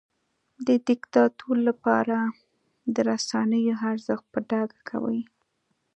د دیکتاتور لپاره د رسنیو ارزښت په ډاګه کوي.